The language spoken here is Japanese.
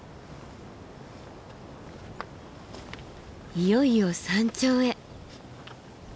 いよいよ山頂へ。